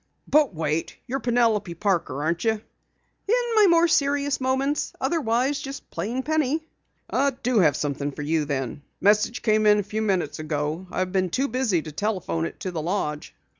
"But wait! You're Penelope Parker, aren't you?" "In my more serious moments. Otherwise, just plain Penny." "I do have something for you, then. A message came in a few minutes ago. I've been too busy to telephone it to the lodge."